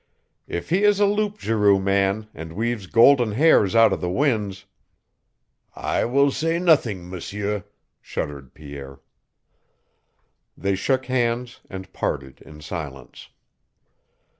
If he is a loup garou man, and weaves golden hairs out of the winds " "I will say nothing, M'sieu," shuddered Pierre. They shook hands, and parted in silence.